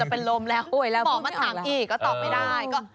หมอมาถามอีกก็ตอบไม่ได้